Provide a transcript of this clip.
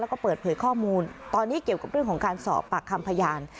แล้วก็เปิดเผยข้อมูลตอนนี้เกี่ยวกับเรื่องของการสอบปากคำพยาน